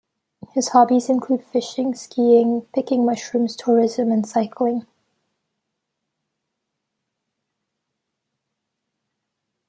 His hobbies include fishing, skiing, picking mushrooms, tourism and cycling.